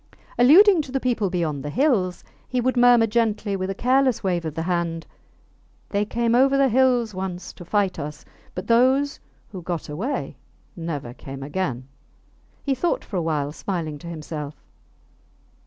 Alluding to the people beyond the hills, he would murmur gently, with a careless wave of the hand, They came over the hills once to fight us, but those who got away never came again. He thought for a while, smiling to himself.